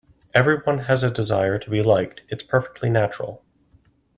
Everyone has a desire to be liked, it's perfectly natural.